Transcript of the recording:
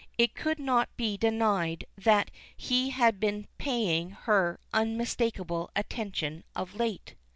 It could not be denied that he had been paying her unmistakable attention of late.